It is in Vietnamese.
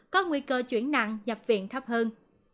có nguy cơ chuyển nặng nhập viện thấp hơn